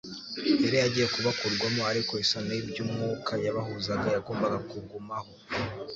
Yari agiye kubakurwamo, ariko isano y'iby'umwuka yabahuzaga, yagombaga kugumaho